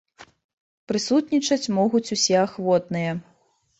Прысутнічаць могуць усе ахвотныя.